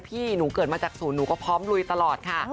พี่หนูเกิดมาจากศูนย์หนูก็พร้อมลุยตลอดค่ะ